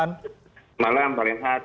bang daniel johan selamat malam pak rianhat